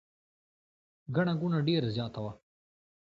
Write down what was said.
ګڼه ګوڼه ډېره زیاته وه.